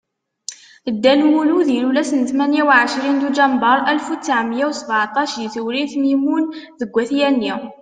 Dda Lmulud ilul ass tmenya u ɛecrin Duǧember Alef u ttɛemya u sbaɛṭac di Tewrirt Mimun deg At Yanni.